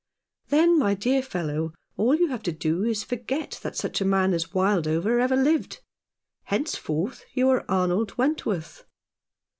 "Then, my dear fellow, all you have to do is to forget that such a man as Wildover ever lived. Henceforth you are Arnold Wentworth."